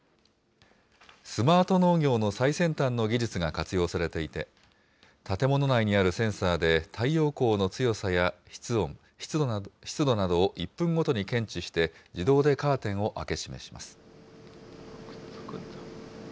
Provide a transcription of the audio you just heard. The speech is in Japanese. スマート農業の最先端の技術が活用されていて、建物内にあるセンサーで、太陽光の強さや室温、湿度などを１分ごとに検知して、自動でカーテンを開け閉めします。